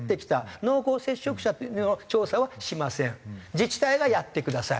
自治体がやってください。